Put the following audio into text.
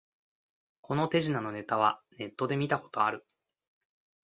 この手品のネタはネットで見たことある